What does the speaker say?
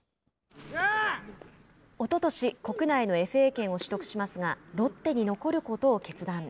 おととし国内のＦＡ権を取得しますがロッテに残ることを決断。